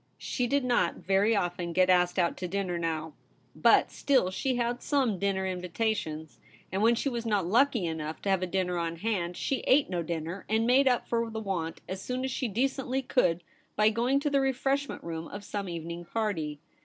She did not very often get asked out to dinner now, but VOL. I. 8 114 THE REBEL ROSE. Still she had some dinner invitations ; and when she was not lucky enough to have a dinner on hand, she ate no dinner, and made up for the want as soon as she decently could by going to the refreshment room of some evening party.